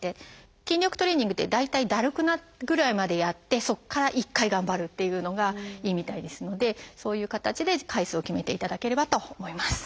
筋力トレーニングって大体だるくなるぐらいまでやってそこから１回頑張るっていうのがいいみたいですのでそういう形で回数を決めていただければと思います。